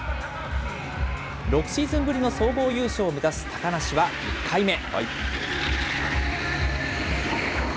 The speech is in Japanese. ６シーズンぶりの総合優勝を目指す高梨は１回目。